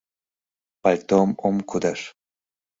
— Пальтом ом кудаш...